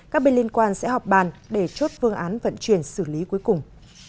các bên liên quan sẽ họp bàn để chốt phương án vận chuyển xử lý cuối cùng